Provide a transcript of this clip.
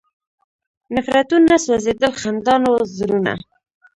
نفرتونه سوځېدل، خندان و زړونه